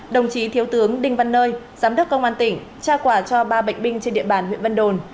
đồng chí thiếu tướng đinh văn nơi giám đốc công an tỉnh trao quà cho ba bệnh binh trên địa bàn huyện vân đồn